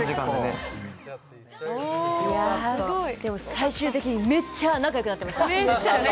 最終的にめっちゃ仲良くなってました。